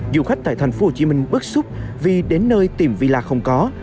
du khách tại thành phố hồ chí minh bức xúc vì đến nơi tìm villa không có